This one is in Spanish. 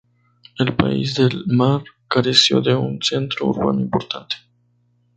El País del Mar careció de un centro urbano importante.